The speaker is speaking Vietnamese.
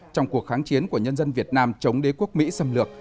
trong cuộc kháng chiến của nhân dân việt nam chống đế quốc mỹ xâm lược